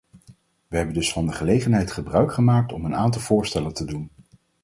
We hebben dus van de gelegenheid gebruik gemaakt om een aantal voorstellen te doen.